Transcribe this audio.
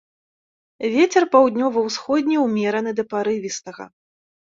Вецер паўднёва-ўсходні ўмераны да парывістага.